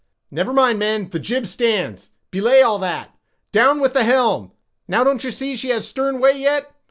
"Never mind, men, the jib stands. Belay all that—down with the helm, now don't you see she has stern way yet?